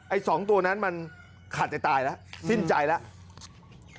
สองตัวนั้นมันขาดใจตายแล้วสิ้นใจแล้ว